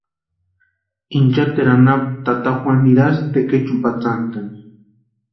Inchateru anapu tata Juanu nirasïnti tekechu patsantaani.